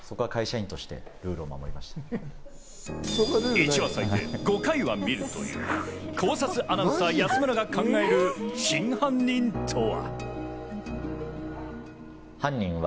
１話、最低５回は見るという考察アナウンサー・安村が考える真犯人とは。